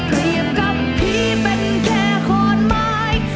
เปรียบกับพี่เป็นแค่ขอนไม้